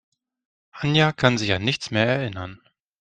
Anja kann sich an nichts mehr erinnern.